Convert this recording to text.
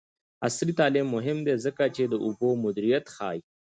عصري تعلیم مهم دی ځکه چې د اوبو مدیریت ښيي.